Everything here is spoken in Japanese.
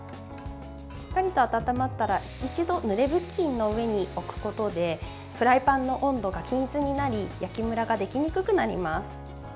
しっかりと温まったら一度、ぬれ布巾の上に置くことでフライパンの温度が均一になり焼きムラができにくくなります。